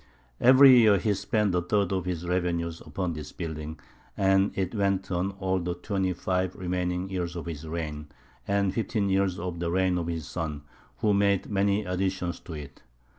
Every year he spent a third of his revenues upon this building; and it went on all the twenty five remaining years of his reign, and fifteen years of the reign of his son, who made many additions to it.